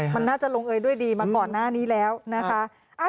มันน่าจะลงเอยด้วยดีมาก่อนหน้านี้แล้วนะคะ